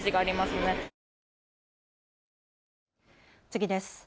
次です。